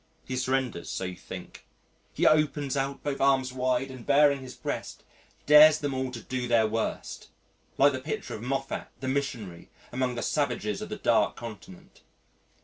He surrenders so you think he opens out both arms wide and baring his breast, dares them all to do their worst like the picture of Moffat the missionary among the savages of the Dark Continent!